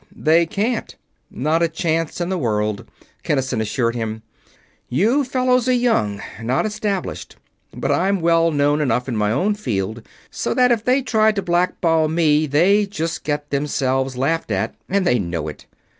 "They can't. Not a chance in the world," Kinnison assured him. "You fellows are young not established. But I'm well enough known in my own field so that if they tried to black ball me they'd just get themselves laughed at, and they know it.